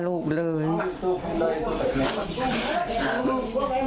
แต่พอมันมีประเด็นเรื่องโควิด๑๙ขึ้นมาแล้วก็ยังไม่มีผลชาญสูตรที่บ้าน